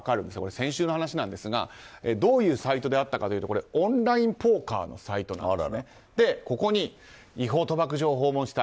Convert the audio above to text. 先週の話なんですがどういうサイトであったかというとオンラインポーカーのサイトでここに、違法賭博場を訪問した。